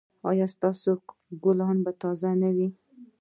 ایا ستاسو ګلونه به تازه نه وي؟